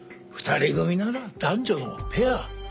２人組なら男女のペア。